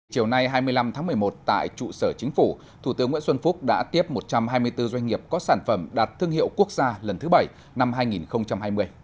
chiều nay hai mươi năm tháng một mươi một tại trụ sở chính phủ thủ tướng nguyễn xuân phúc đã tiếp một trăm hai mươi bốn doanh nghiệp có sản phẩm đạt thương hiệu quốc gia lần thứ bảy năm hai nghìn hai mươi